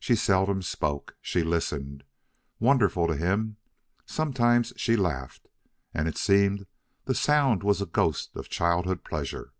She seldom spoke. She listened. Wonderful to him sometimes she laughed and it seemed the sound was a ghost of childhood pleasure.